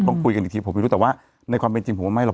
ต้องคุยกันอีกทีผมไม่รู้แต่ว่าในความเป็นจริงผมว่าไม่หรอก